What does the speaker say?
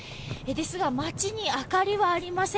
ですが町に明かりはありません。